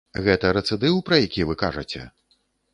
Гэта рэцыдыў, пра які вы кажаце?